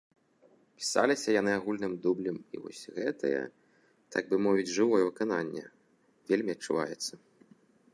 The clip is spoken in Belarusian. Пісаліся яны агульным дублем і вось гэтае, так бы мовіць, жывое выкананне, вельмі адчуваецца.